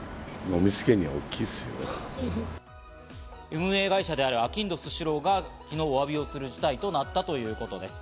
運営会社であるあきんどスシローが昨日、おわびをする事態となったということです。